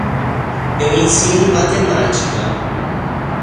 Eu ensino matemática.